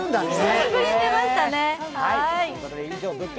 久しぶりに出ましたね。